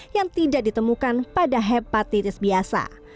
yang tidak ditemukan pada hepatitis biasa